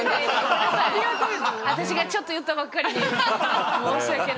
私がちょっと言ったばっかりに申し訳ないです。